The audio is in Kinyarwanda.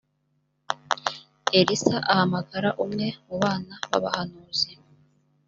elisa ahamagara umwe mu bana b’abahanuzi